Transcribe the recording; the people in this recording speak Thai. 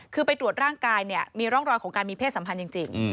คือไปตรวจร่างกายเนี่ยมีร่องรอยของการมีเพศสัมพันธ์จริง